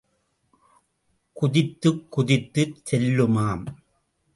குதித்துக் குதித்துச் செல்லுமாம்.